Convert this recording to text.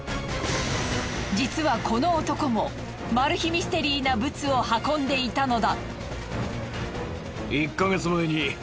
実はこの男もマル秘ミステリーなブツを運んでいたのだ。